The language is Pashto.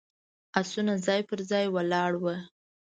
آسونه ځای پر ځای ولاړ ول.